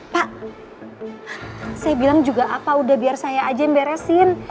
pak saya bilang juga apa udah biar saya aja yang beresin